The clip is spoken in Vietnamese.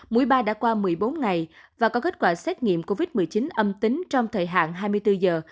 mũi ba đã qua một mươi bốn ngày và có kết quả xét nghiệm covid một mươi chín âm tính trong thời hạn hai mươi bốn giờ